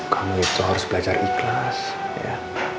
kamu itu harus belajar ikhlas ya